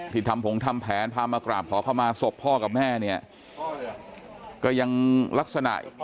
ทำผงทำแผนพามากราบขอเข้ามาศพพ่อกับแม่เนี่ยก็ยังลักษณะ